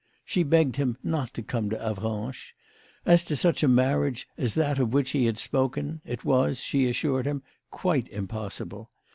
She begged him not to come to Avranches. As to such a marriage as that of which he had spoken, it was, she assured him, quite impossible.